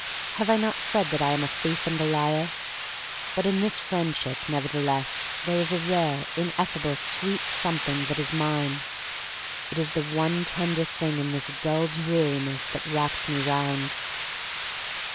Have I not said that I am a thief and a liar? But in this Friendship nevertheless there is a rare, ineffably sweet something that is mine. It is the one tender thing in this dull dreariness that wraps me round.